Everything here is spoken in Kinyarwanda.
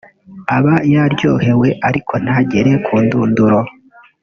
aba yaryohewe ariko ntibigere ku ndunduro